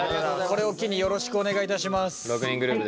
これを機によろしくお願いいたします。